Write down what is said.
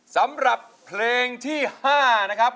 สำหรับเพลงที่๕นะครับ